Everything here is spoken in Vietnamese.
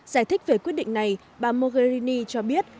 giải thích về quyết định này bà mogherini cho biết